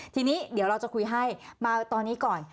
ทีนี้เดี๋ยวเราจะคุยให้มาตอนนี้ก่อน